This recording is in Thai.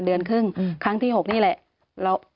เดือนครึ่งครั้งที่๖นี่แหละ